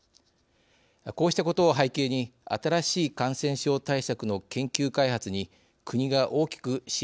こうしたことを背景に新しい感染症対策の研究開発に国が大きく支援してきました。